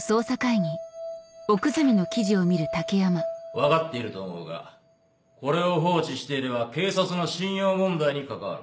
分かっていると思うがこれを放置していれば警察の信用問題に関わる。